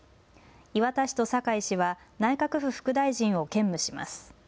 岩田氏と酒井氏は内閣府副大臣を兼務します。